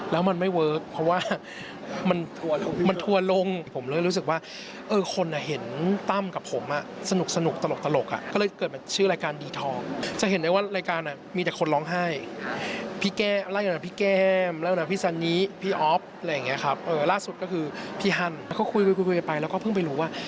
แล้วก็คุยไปแล้วก็เพิ่งไปรู้ว่า